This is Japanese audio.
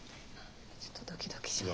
ちょっとドキドキします。